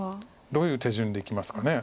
どういう手順でいきますかね。